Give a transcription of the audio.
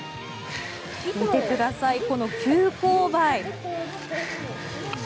見てくださいこの急勾配。